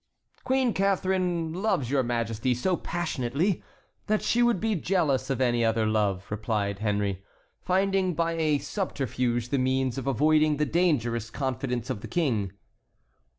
"Queen Catharine loves your Majesty so passionately that she would be jealous of any other love," replied Henry, finding by a subterfuge the means of avoiding the dangerous confidence of the King.